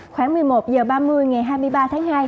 khoảng một mươi một h ba mươi ngày hai mươi ba tháng hai